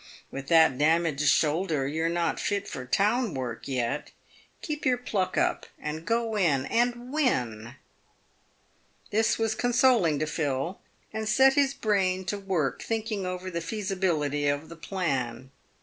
With that damaged shoulder, you're not fit for town work yet. Keep your pluck up, and go in and win." This was consoling to Phil, and set his brain to work thinking over the feasibility of the plan.